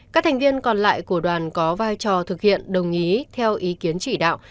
các thành viên còn lại của đoàn có vai trò thực hiện đồng ý theo ý kiến chỉ đạo